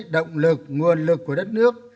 động lực nguồn lực của đất nước